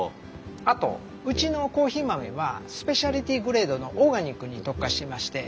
あとうちのコーヒー豆はスペシャルティグレードのオーガニックに特化してまして。